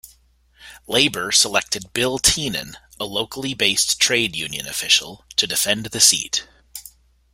Labour selected Bill Tynan, a locally based Trade Union official, to defend the seat.